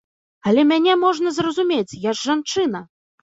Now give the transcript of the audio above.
Але мяне можна зразумець, я ж жанчына!